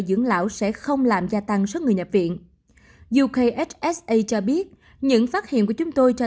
dưỡng lão sẽ không làm gia tăng số người nhập viện youksa cho biết những phát hiện của chúng tôi cho